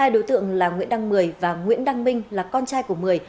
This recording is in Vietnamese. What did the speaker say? hai đối tượng là nguyễn đăng mười và nguyễn đăng minh là con trai của mười